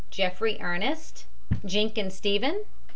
JEFFERY, ERNEST. JENKIN, STEPHEN.